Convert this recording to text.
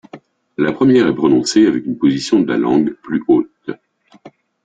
La première est prononcée avec une position de la langue plus haute.